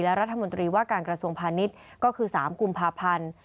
และรัฐมนตรีว่าการกระทรวงพาณิชย์ก็คือ๓กุมภาพันธ์